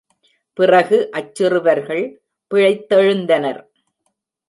பிறகு அச் சிறுவர்கள் பிழைத்தெழுந்தனர்.